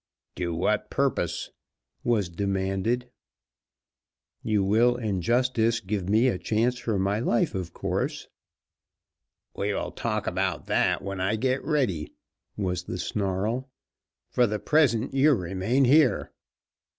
"To what purpose?" was demanded. "You will, in justice, give me a chance for my life, of course." "We will talk about that when I get ready," was the snarl. "For the present you remain here."